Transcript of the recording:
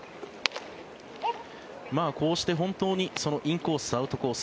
こうして本当にインコース、アウトコース